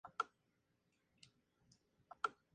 El tiempo extra se añade, si las peleas son planas.